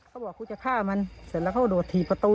เขาบอกกูจะฆ่ามันเสร็จแล้วเขาก็โดดถีบประตู